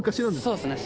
そうですね。